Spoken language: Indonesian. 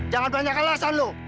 jalan doanya kelasan ibu